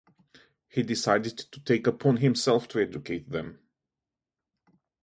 He decided to take it upon himself to educate them.